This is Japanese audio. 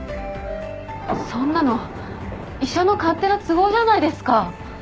そんなの医者の勝手な都合じゃないですか。